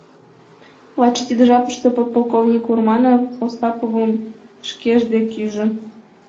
Лач тиде жапыште подполковник Урманов Остаповым шкеж дек ӱжӧ.